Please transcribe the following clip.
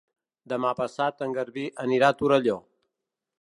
Demà passat en Garbí anirà a Torelló.